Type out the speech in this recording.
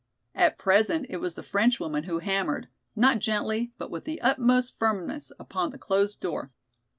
At present it was the French woman who hammered, not gently but with the utmost firmness upon the closed door.